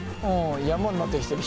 山になってきてる。